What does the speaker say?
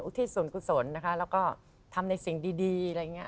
อุทิสุนกุศลนะคะแล้วก็ทำในสิ่งดี